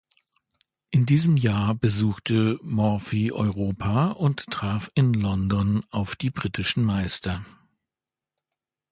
In diesem Jahr besuchte Morphy Europa und traf in London auf die britischen Meister.